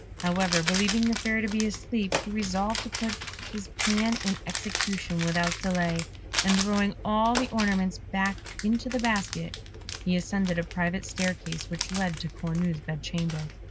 However, believing the Fairy to be asleep, he resolved to put his plan in execution without delay, and throwing all the ornaments back into the basket, he ascended a private staircase which led to Cornue's bed chamber.